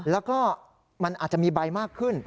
แล้วก็มันอาจจะมีใบมากขึ้น